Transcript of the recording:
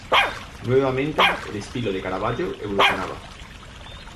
Nuevamente, el estilo de Caravaggio evolucionaba.